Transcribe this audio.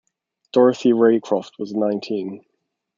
Dorothy Raycroft was nineteen.